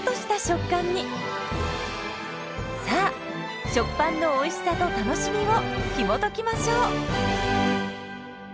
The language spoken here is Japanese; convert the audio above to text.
さあ「食パン」のおいしさと楽しみをひもときましょう！